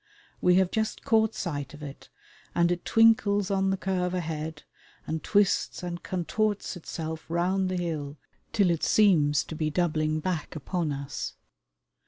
We have just caught sight of it, and it twinkles on the curve ahead and twists and contorts itself round the hill till it seems to be doubling back upon us.